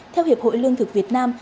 theo hiệp hội lương thực việt nam